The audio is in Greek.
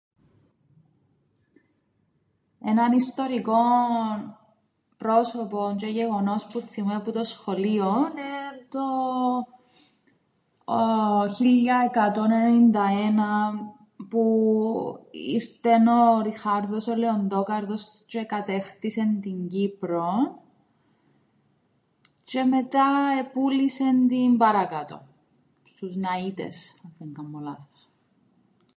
Έναν ιστορικόν πρόσωπον τζ̌αι γεγονός που θθυμούμαι που το σχολείον εν' το 1191 που ήρτεν ο Ριχάρδος ο Λεοντόκαρδος, τζ̌αι εκατέκτησεν την Κύπρον, τζ̌αι μετά επούλησεν την παρακάτω, στους Ναΐτες, αν δεν κάμνω λάθος.